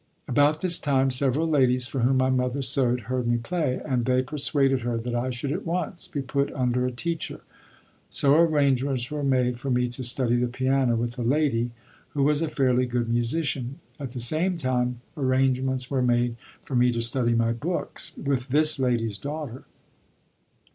About this time several ladies for whom my mother sewed heard me play and they persuaded her that I should at once be put under a teacher; so arrangements were made for me to study the piano with a lady who was a fairly good musician; at the same time arrangements were made for me to study my books with this lady's daughter.